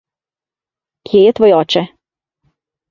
Kje je tvoj oče?